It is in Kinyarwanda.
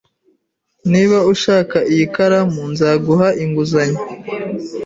Niba ushaka iyi karamu, nzaguha inguzanyo